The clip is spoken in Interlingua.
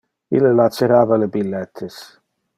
Ille lacerava le billetes.